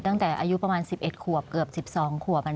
ตั้งแต่อายุประมาณ๑๑ขวบเกือบ๑๒ขวบ